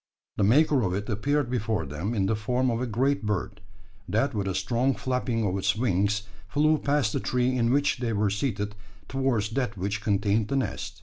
The maker of it appeared before them in the form of a great bird, that with a strong flapping of its wings flew past the tree in which they were seated, towards that which contained the nest.